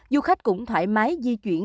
du khách cũng thoải mái di chuyển